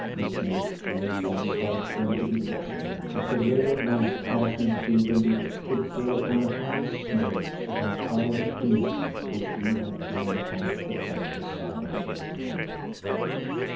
This made it clear to us how it came to be possible that the ray of light passing through the loop could fall upon the highest snows of that towering pinnacle which we had climbed upon the further side of the desert.